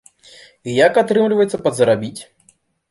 І як, атрымліваецца падзарабіць?